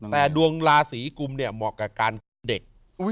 แต่ดวงราศีกุมเนี่ยเหมาะกับการคิดเด็ก